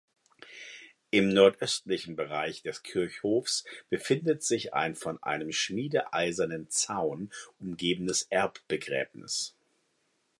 Im nordöstlichen Bereich des Kirchhofs befindet sich ein von einem schmiedeeisernen Zaun umgebenes Erbbegräbnis.